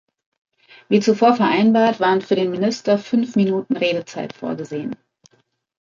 Wie zuvor vereinbart, waren für den Minister fünf Minuten Redezeit vorgesehen.